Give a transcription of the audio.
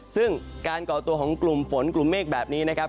ซึ่งการก่อตัวของกลุ่มฝนกลุ่มเมฆแบบนี้นะครับ